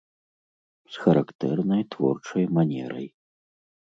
З характэрнай творчай манерай.